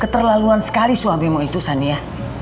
keterlaluan sekali suami mu itu sania